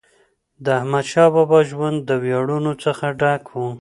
د احمدشاه بابا ژوند د ویاړونو څخه ډک و.